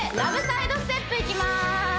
サイドステップいきます